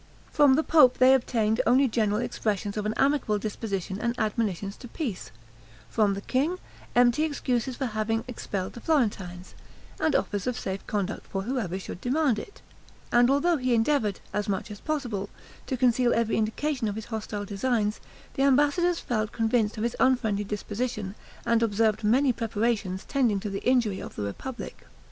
From the pope they obtained only general expressions of an amicable disposition and admonitions to peace; from the king, empty excuses for having expelled the Florentines, and offers of safe conduct for whoever should demand it; and although he endeavored, as much as possible, to conceal every indication of his hostile designs, the ambassadors felt convinced of his unfriendly disposition, and observed many preparations tending to the injury of the republic.